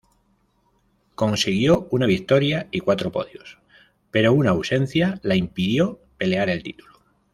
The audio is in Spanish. Consiguió una victoria y cuatro podios, pero una ausencia la impidió pelear el título.